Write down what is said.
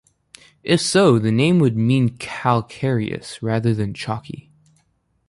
If so, the name would mean 'calcareous' rather than 'chalky'.